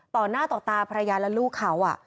ต่อหน้าต่อตาภรรยาและลูกเขา